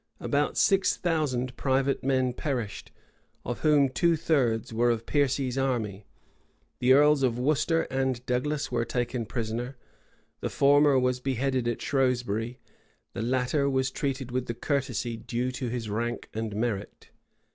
About six thousand private men perished, of whom two thirds were of Piercy's army.[] The earls of Worcester and Douglas were taken prisoners: the former was beheaded at Shrewsbury; the latter was treated with the courtesy due to his rank and merit.